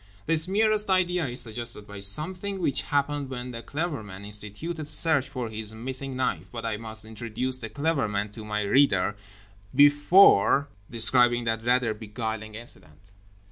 This merest idea is suggested by something which happened when The Clever Man instituted a search for his missing knife—but I must introduce The Clever Man to my reader before describing that rather beguiling incident.